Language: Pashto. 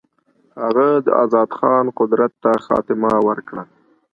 هغه د آزاد خان قدرت ته خاتمه ورکړه.